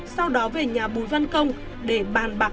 sau đó về nhà bùi văn công để bàn bạc